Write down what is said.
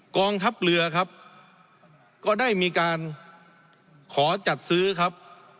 กองทัพเรือครับก็ได้มีการขอจัดซื้อครับ